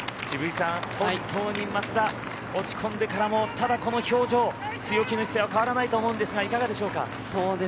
本当に松田落ち込んでからもただ、この表情強気の姿勢は変わらないと思うんですがいかがでしょうか？